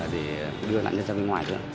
để đưa lặn nhân ra bên ngoài thôi